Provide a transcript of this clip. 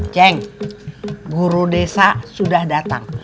ceng guru desa sudah datang